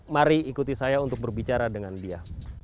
mari ikuti saya untuk berbicara dengan dia